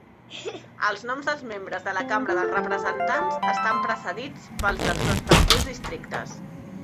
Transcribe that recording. Els noms dels membres de la Cambra dels Representants estan precedits pels dels respectius districtes.